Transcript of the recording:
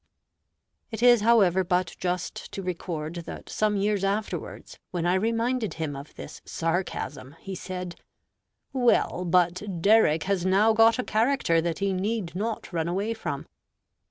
It is, however, but just to record that some years afterwards, when I reminded him of this sarcasm, he said, "Well, but Derrick has now got a character that he need not run away from."